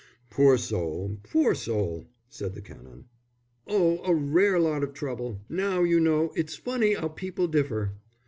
"Poor soul, poor soul!" said the Canon. "Oh, a rare lot of trouble. Now, you know, it's funny 'ow people differ.